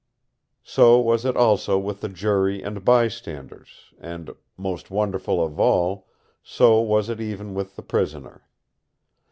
So was it also with the jury and bystanders; and—most wonderful of all—so was it even with the prisoner.